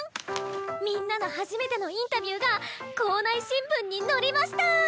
みんなの初めてのインタビューが校内新聞に載りました！